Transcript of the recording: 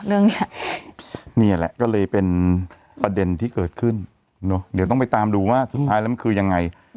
นี่แหละก็เลยเป็นประเด็นที่เกิดขึ้นเดี๋ยวต้องไปตามดูว่าสุดท้ายแล้วมันคือยังไง